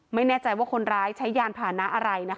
ไม่แน่ใจว่าคนร้ายใช้ยานผ่านะอะไรนะคะ